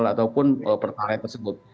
ataupun pertanian tersebut